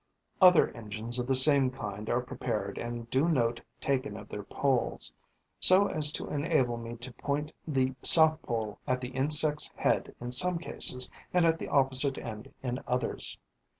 Other engines of the same kind are prepared and due note taken of their poles, so as to enable me to point the south pole at the insect's head in some cases and at the opposite end in others.